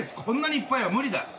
こんなにいっぱいは無理だ。